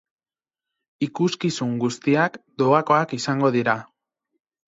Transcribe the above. Ikuskizun guztiak doakoak izango dira.